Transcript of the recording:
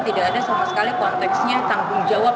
tidak ada sama sekali konteksnya tanggung jawab